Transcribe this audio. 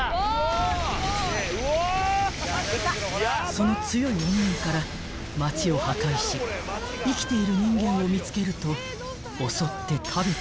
［その強い怨念から街を破壊し生きている人間を見つけると襲って食べてしまうという］